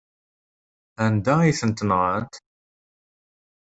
Anda ay tent-nɣant?